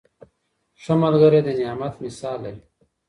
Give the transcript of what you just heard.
ښه ملګری د نعمت مثال لري.